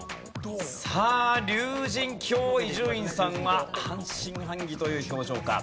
さあ竜神峡伊集院さんは半信半疑という表情か。